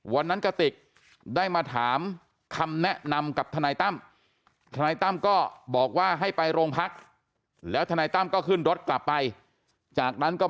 วันนั้นกติกได้มาถามคำแนะนำกับทนายตั้มทนายตั้มก็บอกว่าให้ไปโรงพัก